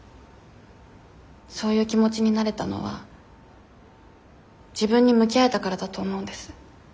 そういう気持ちになれたのは自分に向き合えたからだと思うんです。